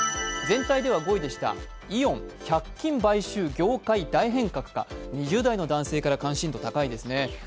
全体では５位でした、イオン、１００均買収、２０代の男性から関心度高いですね。